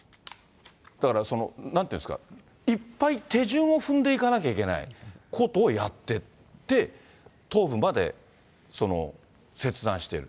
だからなんていうんですか、いっぱい手順を踏んでいかなきゃいけないことをやってって、頭部まで切断してる。